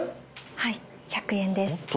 はい１００円です